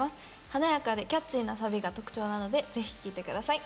華やかでキャッチーなサビが特徴なのでぜひ、聴いてください。